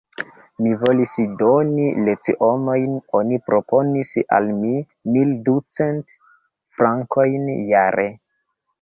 Mi volis doni lecionojn: oni proponis al mi mil ducent frankojn jare.